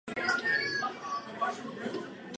Držitel mnoha prestižních uměleckých ocenění.